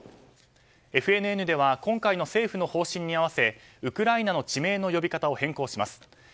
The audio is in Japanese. ＦＮＮでは今回の政府の方針に合わせウクライナの地名の呼び方を変更します。